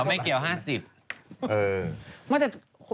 ไม่เกี่ยว๕๐